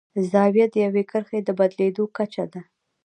زاویه د یوې کرښې د بدلیدو کچه ده.